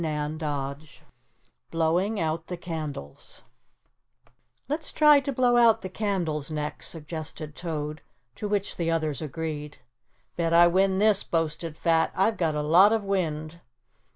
CHAPTER VI BLOWING OUT THE CANDLES "Let's try to blow out the candles next," suggested Toad, to which the others agreed. "Bet I win this," boasted Fat, "I've got a lot of wind."